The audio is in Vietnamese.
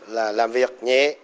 là làm việc nhẹ